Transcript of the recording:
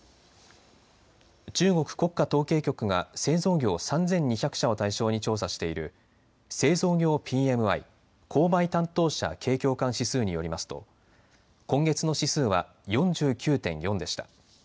中国国家統計局が製造業３２００社を対象に調査している製造業ＰＭＩ・購買担当者景況感指数によりますと今月の指数は４９．４でした。